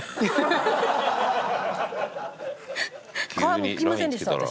皮むきませんでした私。